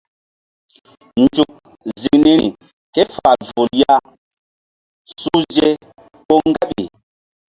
Nzuk ziŋ niri ke fal vul ya suhze ko ŋgaɓi.